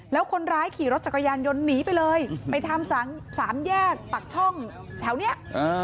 แล้วคนร้ายขี่รถจักรยานยนต์หนีไปเลยไปทำสามแยกปักช่องแถวเนี่ย